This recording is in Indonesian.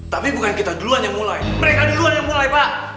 tapi bukan kita duluan yang mulai mereka duluan yang mulai pak